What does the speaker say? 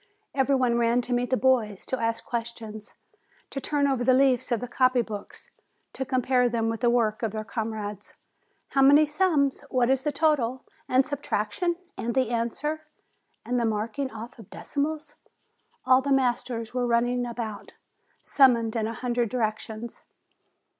Every one ran to meet the boys, to ask questions, to turn over the leaves of the copy books to compare them with the work of their comrades. "How many sums? What is the total? And sub traction? And the answer? And the marking off of decimals ?" All the masters were running about, summoned in a hundred directions.